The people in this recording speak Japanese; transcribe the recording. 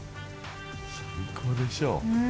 最高でしょ。